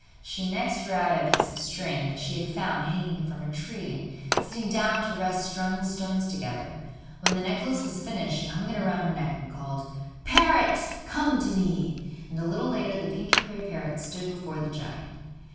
She next drew out a piece of string that she had found hanging from a tree, and sitting down to rest strung the stones together. When the necklace was finished she hung it round her neck, and called: 'Parrot, come to me!' And a little later the pink and grey parrot stood before the giant.